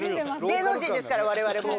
芸能人ですから我々も。